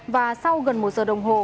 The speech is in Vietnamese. và sau gần một giờ đồng hồ